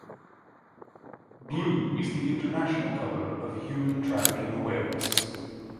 Blue is the international color of human trafficking awareness.